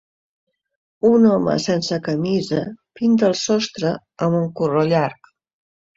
Un home sense camisa pinta el sostre amb un corró llarg.